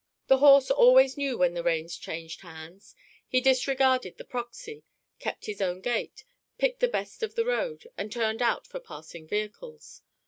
The horse always knew when the reins changed hands. He disregarded the proxy, kept his own gait, picked the best of the road, and turned out for passing vehicles.